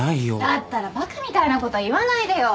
だったらバカみたいなこと言わないでよ。